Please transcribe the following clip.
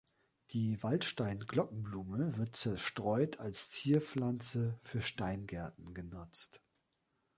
Die Waldstein-Glockenblume wird zerstreut als Zierpflanze für Steingärten genutzt.